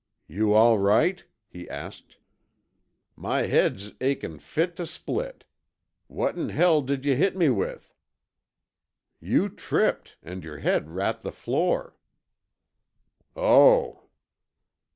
"You all right?" he asked. "My head's achin' fit tuh split. What in hell did yuh hit me with?" "You tripped, and your head rapped the floor." "Oh!"